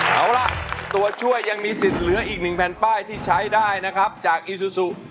เอาล่ะตัวช่วยยังมีสิทธิ์เหลืออีกหนึ่งแผ่นป้ายที่ใช้ได้นะครับจากอีซูซู